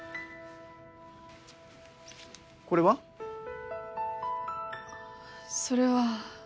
これは？それは。